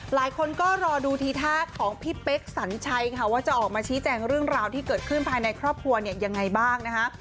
หลายคนก็รอดูทีท่าของพี่เป๊กสัญชัยค่ะว่าจะออกมาชี้แจงเรื่องราวที่เกิดขึ้นภายในครอบครัวเนี่ยยังไงบ้างนะคะ